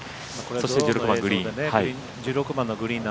そして１６番グリーン。